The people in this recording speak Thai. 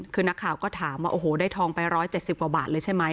คือนักข่าวก็ถามว่าโอ้โหได้ทองไป๑๗๐กว่าบาทเลยใช่ไหม